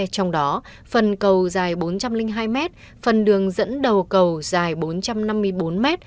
trong đó phần cầu dài bốn trăm linh hai m phần đường dẫn đầu cầu dài bốn trăm năm mươi bốn m